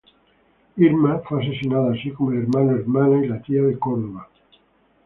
Irma fue asesinada, así como el hermano, hermana y la tía de Córdova.